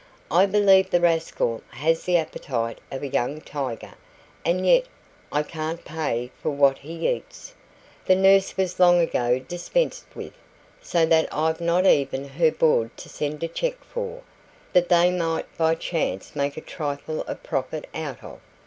I believe the rascal has the appetite of a young tiger and yet I can't pay for what he eats! The nurse was long ago dispensed with, so that I've not even her board to send a cheque for, that they might by chance make a trifle of profit out of.